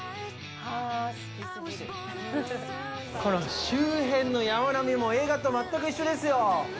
この周辺の山並みも映画と全く一緒ですよ！